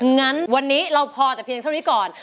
งั้นวันนี้เราพอแต่เพียงเท่านี้ก่อน